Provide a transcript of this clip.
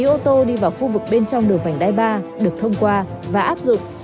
ô tô đi vào khu vực bên trong đường vành đai ba được thông qua và áp dụng